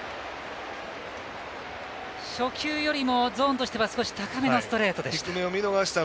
初球よりもゾーンとしては高めのストレートでした。